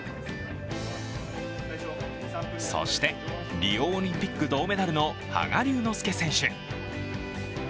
そしてリオオリンピック銅メダルの羽賀龍之介選手。